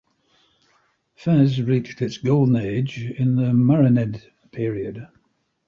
Fez reached its golden age in the Marinid period.